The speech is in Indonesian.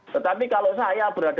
tetapi kalau saya berada di sana